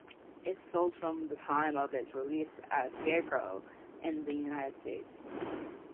It sold from the time of its release as Scarecrow in the United States.